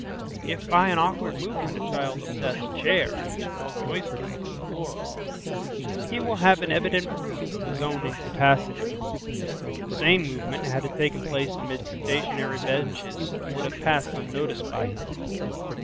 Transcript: If by an awkward movement a child upsets a chair, which falls noisily to the floor, he will have an evident proof of his own incapacity; the same movement had it taken place amid stationary benches would have passed unnoticed by him.